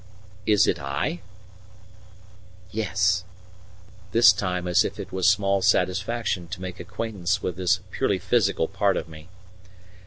"Is it I?" "Yes." This time as if it was small satisfaction to make acquaintance with this purely physical part of me.